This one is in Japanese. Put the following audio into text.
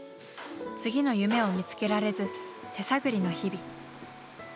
次の夢を見つけられず手探りの日々。